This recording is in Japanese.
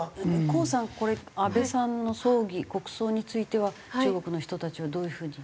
高さんこれ安倍さんの葬儀国葬については中国の人たちはどういう風に？